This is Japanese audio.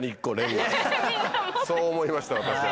そう思いました私は。